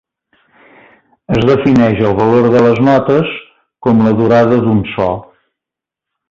Es defineix el valor de les notes com la durada d'un so.